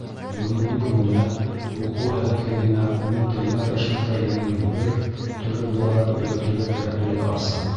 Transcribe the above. Бөгөнгө көндә уҡыу һәләтлегенә уның телмәр эшмәкәрлегенең бер төрө булараҡ өйрәтергә кәрәклеге асыҡ.